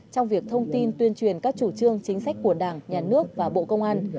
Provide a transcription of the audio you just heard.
trong việc thông tin tuyên truyền các chủ trương chính sách của đảng nhà nước và bộ công an